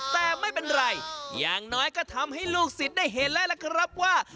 แต่ไม่เป็นไรอย่างน้อยก็ทำให้ลูกศิษย์ได้เห็นแล้วล่ะครับว่า